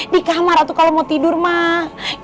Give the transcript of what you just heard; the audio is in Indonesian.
di kamar atau kalau mau tidur mah